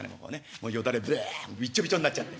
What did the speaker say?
もうよだれべえびっちょびちょになっちゃって。